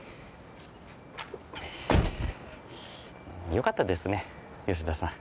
よかったですね吉田さん。